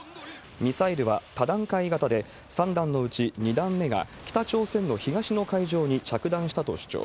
ミサイルは多段階型で、３段のうち２段目が北朝鮮の東の海上に着弾したと主張。